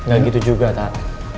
gak gitu juga tak